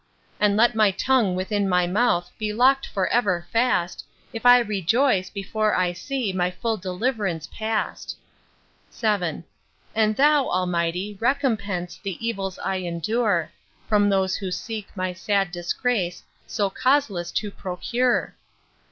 And let my tongue within my mouth Be lock'd for ever fast, If I rejoice, before I see My full deliv'rance past. VII. And thou, Almighty, recompense The evils I endure, From those who seek my sad disgrace, So causeless, to procure.